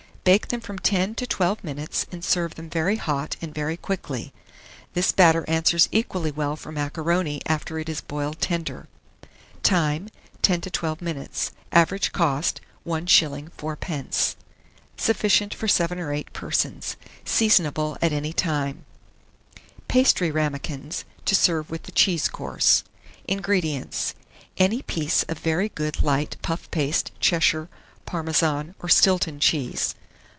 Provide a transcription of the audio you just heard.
Bake them from 10 to 12 minutes, and serve them very hot and very quickly. This batter answers equally well for macaroni after it is boiled tender. Time 10 to 12 minutes. Average cost, 1s. 4d. Sufficient for 7 or 8 persons. Seasonable at any time. PASTRY RAMAKINS, to serve with the CHEESE COURSE. 1650. INGREDIENTS. Any pieces of very good light puff paste Cheshire, Parmesan, or Stilton cheese.